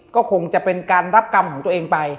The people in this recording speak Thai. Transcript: ก็คงจะเป็นการรับกรรมของตัวเองไป